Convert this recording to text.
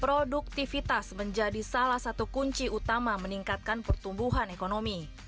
produktivitas menjadi salah satu kunci utama meningkatkan pertumbuhan ekonomi